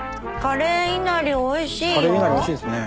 カレーいなりおいしいですね。